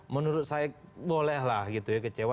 menurut saya bolehlah gitu ya kecewa